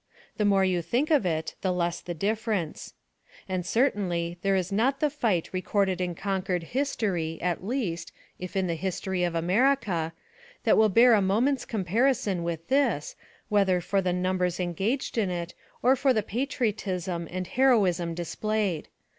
The more you think of it, the less the difference. And certainly there is not the fight recorded in Concord history, at least, if in the history of America, that will bear a moment's comparison with this, whether for the numbers engaged in it, or for the patriotism and heroism displayed.